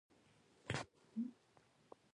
ګاونډي ته زړورتیا ورکړه